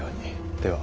では。